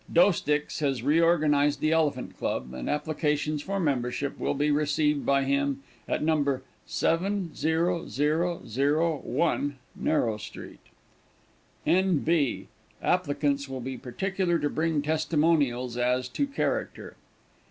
Doesticks has reorganized the Elephant Club, and applications for membership will be received by him at No. 70001, Narrow street. N.B. Applicants will be particular to bring testimonials as to character.